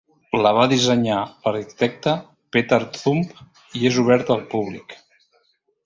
La va dissenyar l'arquitecte Peter Thumb i és oberta al públic.